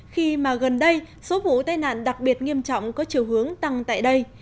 khi mà gần đây số vụ tai nạn đặc biệt nghiêm trọng có chiều hướng tăng tại đây